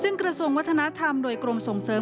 ซึ่งกระทรวงวัฒนธรรมโดยกรมส่งเสริม